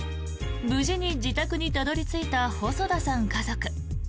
無事に自宅にたどり着いた細田さん家族。